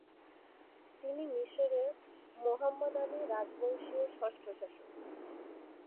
তিনি মিশরের Muhammad Ali রাজবংশীয় ষষ্ঠ শাসক।